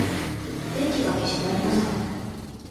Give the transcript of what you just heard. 電気が消してありました。